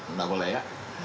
tidak boleh ya